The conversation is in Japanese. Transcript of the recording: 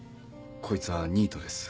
こいつはニートです。